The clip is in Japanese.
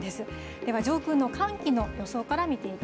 では、上空の寒気の予想から見てＫ。